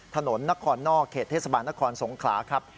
ถนนนครนอกเขตเทศบาลนครสงขลาครับ